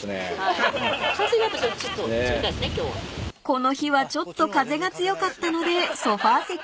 ［この日はちょっと風が強かったのでソファ席へ］